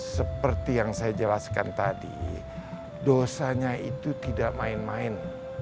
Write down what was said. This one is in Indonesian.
seperti yang saya jelaskan tadi dosanya itu tidak main main